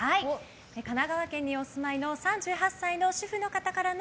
神奈川県にお住まいの３８歳の主婦の方からの